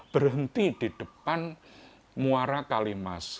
berhenti di depan muara kalimas